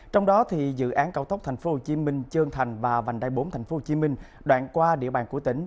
trong đó dự án cao tốc tp hcm chơn thành và vành đai bốn tp hcm đoạn qua địa bàn của tỉnh